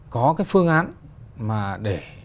có cái phương án mà để